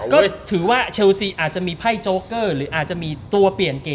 ก็ถือว่าเชลซีอาจจะมีไพ่โจ๊เกอร์หรืออาจจะมีตัวเปลี่ยนเก